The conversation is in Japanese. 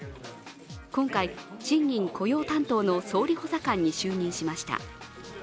今回、賃金・雇用担当の総理補佐官に就任しました。